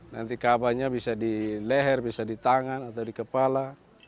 nanti kabahnya bisa di leher bisa di tangan atau di kepala